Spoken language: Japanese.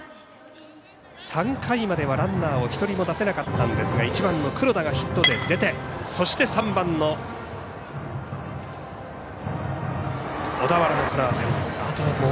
３回まではランナーを１人も出せなかったんですが１番の黒田がヒットで出てそして、３番の小田原の当たり。